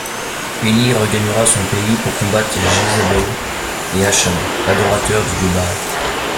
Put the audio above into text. Élie regagnera son pays pour combattre Jézabel et Achab, adorateurs du dieu Baal.